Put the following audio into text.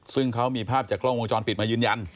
ซึ่งเขามีภาพจากกล้องวงจรปิดมายืนยัน